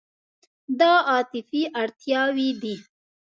دا عاطفي اړتیاوې دي.